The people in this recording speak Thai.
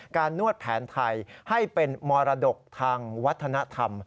นวดแผนไทยให้เป็นมรดกทางวัฒนธรรม